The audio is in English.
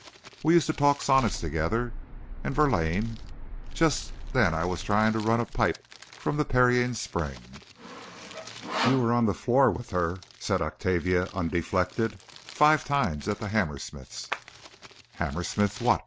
We used to talk sonnets together, and Verlaine. Just then I was trying to run a pipe from the Pierian spring." "You were on the floor with her," said Octavia, undeflected, "five times at the Hammersmiths'." "Hammersmiths' what?"